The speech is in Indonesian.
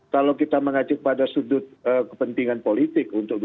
kalau kita mengacu pada sudut kepentingan politik untuk dua ribu dua puluh